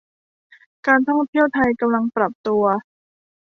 การท่องเที่ยวไทยกำลังปรับตัว